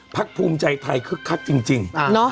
ภูมิใจไทยคึกคักจริง